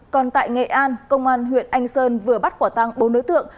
còn tại nghệ an công an huyện anh sơn vừa bắt quả tăng bốn đối tượng